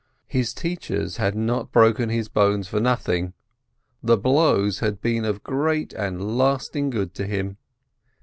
His teachers had not broken his bones for nothing. The blows had been of great and lasting good to him.